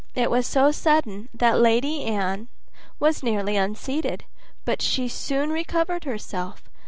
It was so sudden that Lady Anne was nearly unseated, but she soon recovered herself.